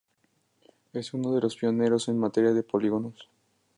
Es uno de los pioneros en materia de polígonos.